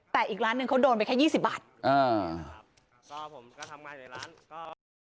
แต่อีกร้านนึงเขาโดนไปแค่ยี่สิบบาทเออ